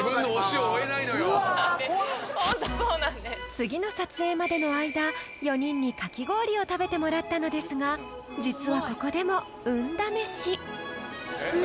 ［次の撮影までの間４人にかき氷を食べてもらったのですが実はここでも運試し］